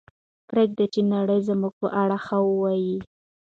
پرېږدئ چې نړۍ زموږ په اړه ښه ووایي.